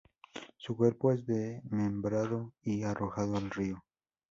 Su cuerpo es desmembrado y arrojado al río.